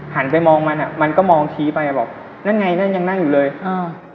หันไปมองมันอ่ะมันก็มองชี้ไปอ่ะบอกนั่นไงนั่นยังนั่งอยู่เลยอ่า